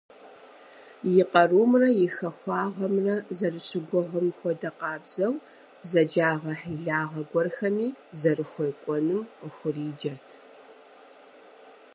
И къарумрэ и хахуагъэмрэ зэрыщыгугъым хуэдэ къабзэу, бзаджагъэ–хьилагъэ гуэрхэми зэрыхуекӀуэным къыхуриджэрт.